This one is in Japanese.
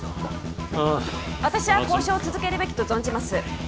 ああ私は交渉を続けるべきと存じます